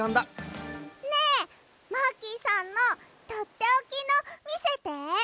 ねえマーキーさんのとっておきのみせて！